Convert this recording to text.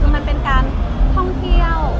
คือมันเป็นการท่องเที่ยว